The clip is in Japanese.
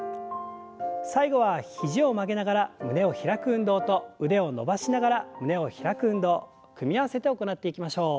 最後は肘を曲げながら胸を開く運動と腕を伸ばしながら胸を開く運動組み合わせて行っていきましょう。